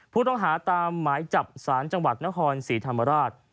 ผู้ต้องหาตามหมายจับสารจังหวัดนครศรีธรรมราช